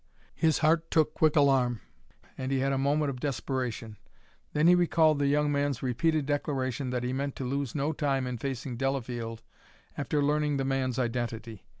His heart took quick alarm, and he had a moment of desperation. Then he recalled the young man's repeated declaration that he meant to lose no time in facing Delafield after learning the man's identity.